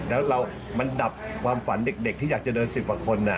แล้วมันดับความฝันเด็กที่อยากจะเดิน๑๐กว่าคน